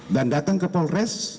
dan datang ke polres